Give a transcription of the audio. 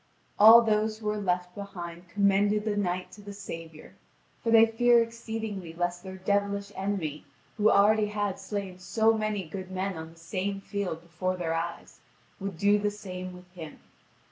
All those who were left behind commended the knight to the Saviour, for they fear exceedingly lest their devilish enemy, who already had slain so many good men on the same field before their eyes, would do the same with him.